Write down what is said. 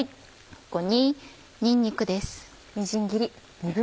ここににんにくです。